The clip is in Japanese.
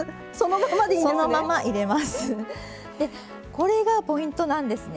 これがポイントなんですね。